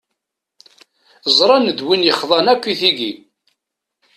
Ẓran d win yexḍan akk i tigi.